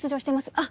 あっ！